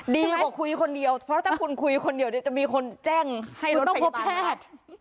ดีกว่าคุยคนเดียวเพราะถ้าคุณคุยคนเดียวเดี๋ยวจะมีคนแจ้งให้คุณต้องพบแพทย์